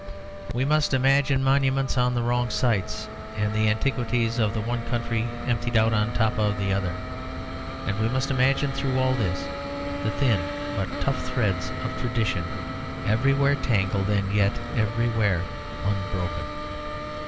We must imagine monuments on the wrong sites, and the antiquities of one county emptied out on top of another. And we must imagine through all this the thin but tough threads of tradition everywhere tangled and yet everywhere unbroken.